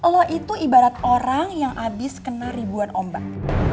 lo itu ibarat orang yang habis kena ribuan ombak